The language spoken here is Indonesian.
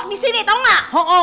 disini tau gak